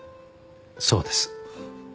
そうです。